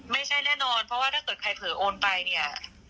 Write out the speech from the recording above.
แน่นอนเพราะว่าถ้าเกิดใครเผลอโอนไปเนี่ย